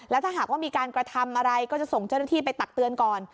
ถ้าหากว่ามีการกระทำอะไรก็จะส่งเจ้าหน้าที่ไปตักเตือนก่อน